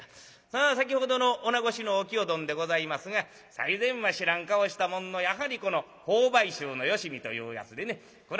さあ先ほどの女衆のお清どんでございますが最前は知らん顔したもんのやはりこの朋輩衆のよしみというやつでね蔵